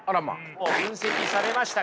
もう分析されましたから。